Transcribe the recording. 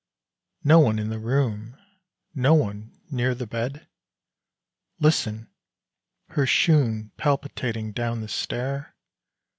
No one in the room, No one near the bed ? Listen, her shoon Palpitating down the stair?